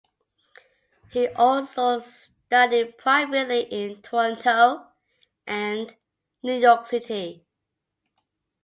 He also studied privately in Toronto and New York City.